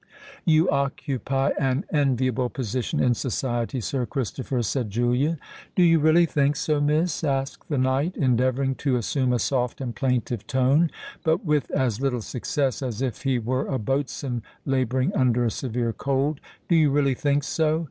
"You occupy an enviable position in society, Sir Christopher," said Julia. "Do you really think so, Miss?" asked the knight, endeavouring to assume a soft and plaintive tone, but with as little success as if he were a boatswain labouring under a severe cold: "do you really think so?"